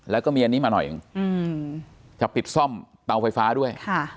แล้วก็มีอันนี้มาหน่อยหนึ่งจะปิดซ่อมเตาไฟฟ้าด้วย